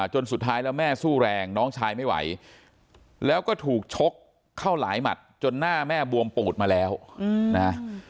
จนสุดท้ายแล้วแม่สู้แรงน้องชายไม่ไหวแล้วก็ถูกชกเข้าหลายหมัดจนหน้าแม่บวมปูดมาแล้วนะ